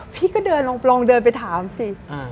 พี่ก็เดินลงเดินไปถามสิ